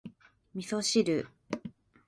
味噌汁